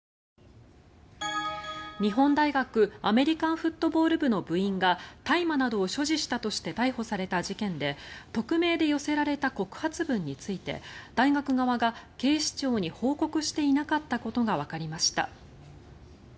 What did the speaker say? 日本大学アメリカンフットボール部の部員が大麻などを所持したとして逮捕された事件で匿名で寄せられた告発文について大学側が警視庁に報告していなかったことがわかりました。